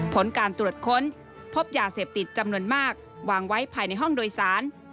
ผลการตรวจค้นพบยาเสพติดจำนวนมากวางไว้ภายในห้องโดยสาร